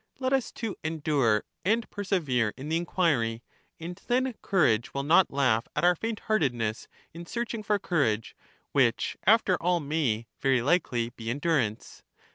Let us too en dure and persevere in the inquiry, and then courage will not laugh at our faint heartedness in searching for courage; which after all may, very likely, be endurance.